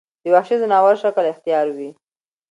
د وحشي ځناور شکل اختيار وي